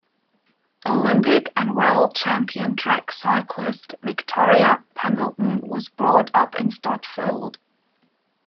Olympic and world champion track cyclist Victoria Pendleton was brought up in Stotfold.